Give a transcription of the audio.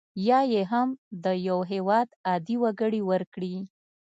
یا یې هم د یو هیواد عادي وګړي ورکړي.